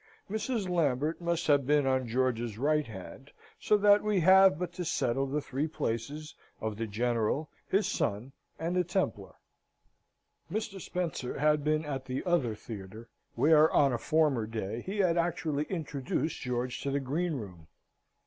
Mrs. Lambert must have been on George's right hand, so that we have but to settle the three places of the General, his son, and the Templar. Mr. Spencer had been at the other theatre, where, on a former day, he had actually introduced George to the greenroom.